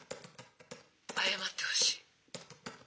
「謝ってほしい」。